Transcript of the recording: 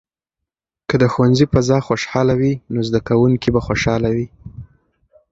که د ښوونځي فضا خوشحاله وي، نو زده کوونکي به خوشاله وي.